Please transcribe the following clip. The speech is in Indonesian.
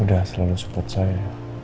sudah selalu support saya